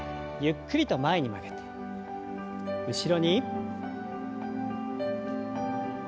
ゆっくりと前に曲げて後ろに。